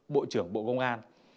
bộ trưởng bộ công an